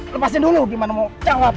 lepasin dulu gimana mau jawab